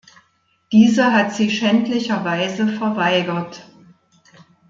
Diese hat sie schändlicherweise verweigert.